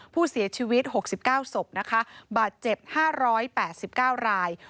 ผู้เสียชีวิต๖๙ศพนะคะบาดเจ็บ๕๘๙ราย